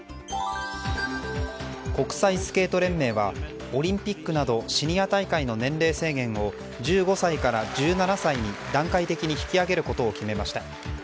国際スケート連盟はオリンピックなどシニア大会の年齢制限を１５歳から１７歳に段階的に引き上げることを決めました。